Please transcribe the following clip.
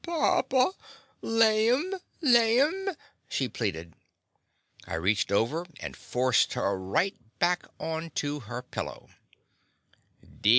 "Papa, laim, laim!'* she pleaded. I reached over and forced her right back on to her pillow.